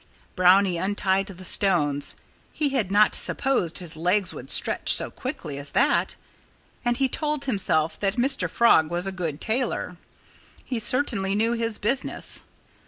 Brownie untied the stones. He had not supposed his legs would stretch so quickly as that. And he told himself that Mr. Frog was a good tailor. He certainly knew his business.